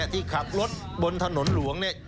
ที่ขับรถบนถนนหลวง